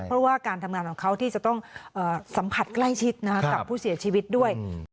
เพราะว่าการทำงานของเขาที่จะต้องสัมผัสใกล้ชิดกับผู้เสียชีวิตด้วย